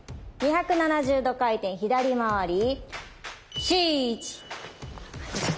２７０度回転左回り。